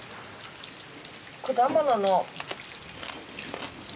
果物の。